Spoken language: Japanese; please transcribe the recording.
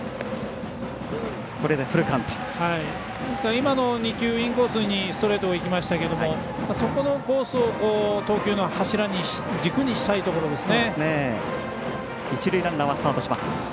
今の２球インコースにストレートいきましたけどそこのコースを投球の軸にしたいところですね。